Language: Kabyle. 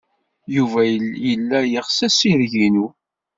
Yuba yella yeɣs assireg-inu.